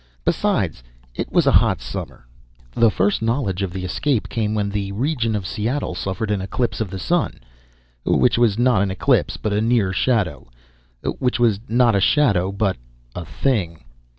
Besides, it was a hot summer. The first knowledge of the escape came when the region of Seattle suffered an eclipse of the sun, which was not an eclipse but a near shadow, which was not a shadow but a thing.